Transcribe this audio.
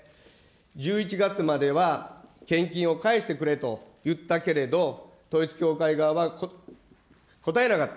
１１月までは献金を返してくれと言ったけれど、統一教会側はこたえなかった。